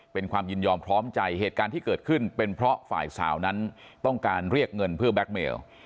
เป็นความยินยอมพร้อมใจเหตุการณ์ที่เกิดขึ้นเป็นเพราะฝ่ายสาวนั้นต้องการเรียกเงินเพื่อแก๊กเมล